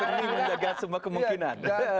sering menjaga semua kemungkinan